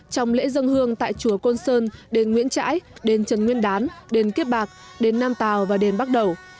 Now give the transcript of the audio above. trong lễ dân hương tại chùa côn sơn đền nguyễn trãi đền trần nguyên đán đền kiếp bạc đền nam tào và đền bắc đổ